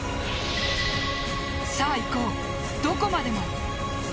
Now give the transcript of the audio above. さあいこう、どこまでも。